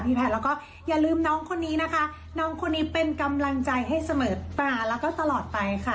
แพทย์แล้วก็อย่าลืมน้องคนนี้นะคะน้องคนนี้เป็นกำลังใจให้เสมอตาแล้วก็ตลอดไปค่ะ